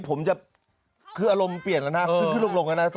ผมจะคืออารมณ์เปลี่ยนแล้วนะขึ้นขึ้นลงแล้วนะ